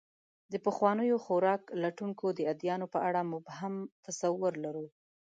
د پخوانیو خوراک لټونکو د ادیانو په اړه مبهم تصور لرو.